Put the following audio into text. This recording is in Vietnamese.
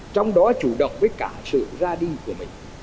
trong đó chủ động với cả sự ra đi của mình